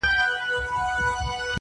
بيزو وان چي سو پناه د دېوال شا ته٫